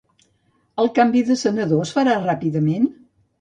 El canvi de senador es farà ràpidament?